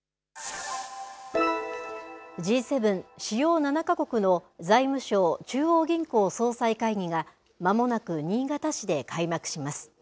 Ｇ７、主要７か国の財務相・中央銀行総裁会議がまもなく新潟市で開幕します。